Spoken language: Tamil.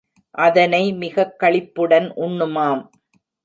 அதனை மிகக் களிப்புடன் உண்ணுமாம்.